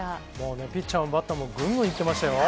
ピッチャーもバッターもぐんぐん行ってましたよ。